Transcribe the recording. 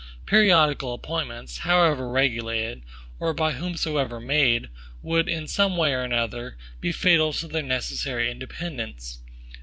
Periodical appointments, however regulated, or by whomsoever made, would, in some way or other, be fatal to their necessary independence.